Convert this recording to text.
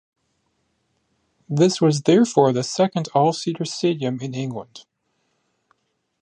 This was therefore the second all-seater stadium in England.